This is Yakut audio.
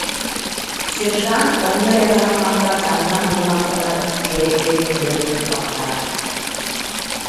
Сержант онно эрэ кыһаммакка, таҥнан булумахтанар «эдэрдэри» көрөн турбахтаат: